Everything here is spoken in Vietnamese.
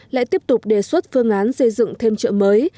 lại tiếp tục đề xuất phương án xây dựng thêm chợ mới